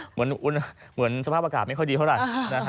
เหมือนสภาพอากาศไม่ค่อยดีเท่าไหร่